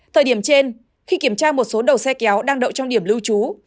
thời điểm trên khi kiểm tra một số đầu xe kéo đang đậu trong điểm lưu trú